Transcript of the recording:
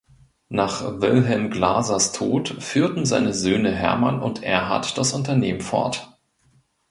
Nach Wilhelm Glasers Tod führten seine Söhne Hermann und Erhard das Unternehmen fort.